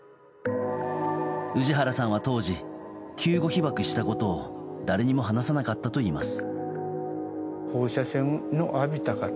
氏原さんは当時救護被爆したことを誰にも話さなかったといいます。